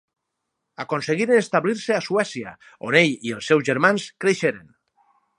Aconseguiren establir-se a Suècia, on ell i els seus germans creixeren.